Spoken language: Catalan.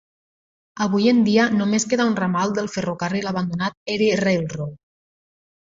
Avui en dia només queda un ramal del ferrocarril abandonat Erie Railroad.